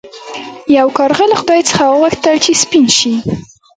یو کارغه له خدای څخه وغوښتل چې سپین شي.